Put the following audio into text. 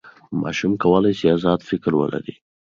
ماشوم کولی سي ازاد فکر ولري.